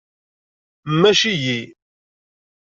Mmac-iyi.